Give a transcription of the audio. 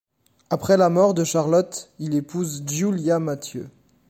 Après la mort de Charlotte, il épouse Giulia Mathieu.